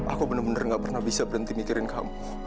aku bener bener gak pernah bisa berhenti mikirin kamu